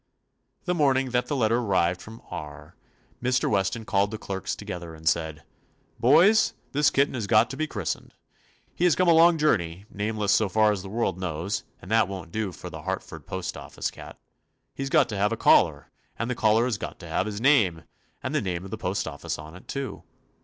The morning that the letter ar rived from R , Mr. Weston called the clerks together and said: "Boys, this kitten has got to be christened. He has come a long journey, nameless so far as the world knows, and that won't do for the Hartford postoffice 50 TOMMY POSTOFFICE cat. He 's got to have a collar, and the collar has got to have his name and the name of the post office on it, too.